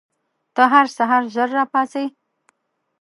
ته هر سهار ژر راپاڅې؟